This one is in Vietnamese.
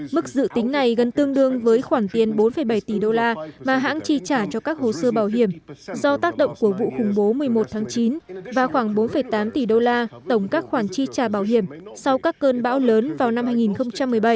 mức dự tính này gần tương đương với khoản tiền bốn bảy tỷ đô la mà hãng chi trả cho các hồ sơ bảo hiểm do tác động của vụ khủng bố một mươi một tháng chín và khoảng bốn tám tỷ đô la tổng các khoản chi trả bảo hiểm sau các cơn bão lớn vào năm hai nghìn một mươi bảy